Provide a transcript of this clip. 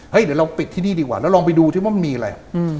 เดี๋ยวเราปิดที่นี่ดีกว่าแล้วลองไปดูที่ว่ามันมีอะไร